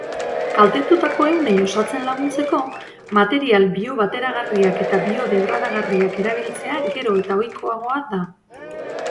Kaltetutako ehunei osatzen laguntzeko material biobateragarriak eta biodegradagarriak erabiltzea gero eta ohikoagoa da.